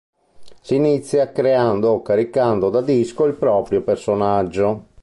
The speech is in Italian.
Si inizia creando o caricando da disco il proprio personaggio.